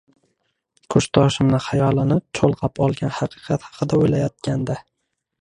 Kursdoshimni hayolini cho’lg’ab olgan haqiqat haqida o’ylayotgandi.